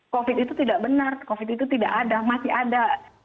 covid itu tidak benar covid itu tidak ada masih ada